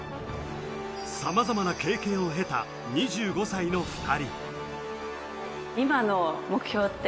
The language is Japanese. さまざまな経験を経た２５歳の２人。